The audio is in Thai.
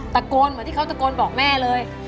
ตะโกนเหมือนที่เขาตะโกนบอกแม่เลย